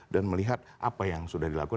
dan melihat apa yang sudah dilakukan